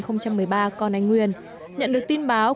nhận được tin báo công an huyện phú bình đã nhanh chóng